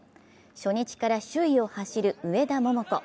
初日から首位を走る上田桃子。